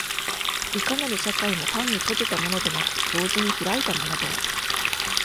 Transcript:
いかなる社会も単に閉じたものでなく、同時に開いたものである。